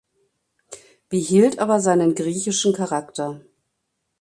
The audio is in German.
Behielt aber seinen griechischen Charakter.